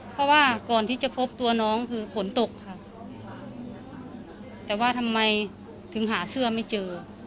เพราะว่าก่อนที่จะพบตัวน้องคือฝนตกค่ะแต่ว่าทำไมถึงหาเสื้อไม่เจอ